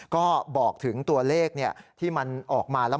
ก็บอกถึงตัวเลขที่มันออกมาแล้ว